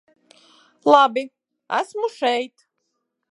Labi, esmu šeit.